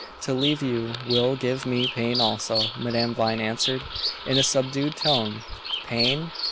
"To leave you will give me pain also," Madame Vine answered, in a subdued tone. Pain?